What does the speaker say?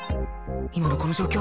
今のこの状況